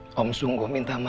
hai om sungguh minta maaf